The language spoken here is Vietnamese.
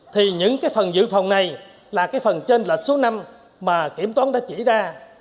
thì những phần dự phòng này là phần tranh lệch số năm mà kiểm toán đã chỉ ra